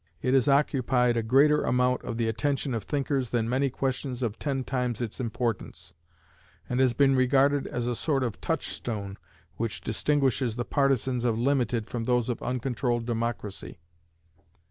It has occupied a greater amount of the attention of thinkers than many questions of ten times its importance, and has been regarded as a sort of touchstone which distinguishes the partisans of limited from those of uncontrolled democracy.